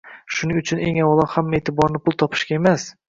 Shuning uchun eng avvalo hamma e’tiborni pul topishga emas